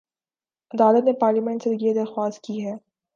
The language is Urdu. عدالت نے پارلیمنٹ سے یہ درخواست کی ہے